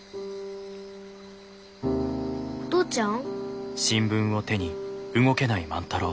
お父ちゃん？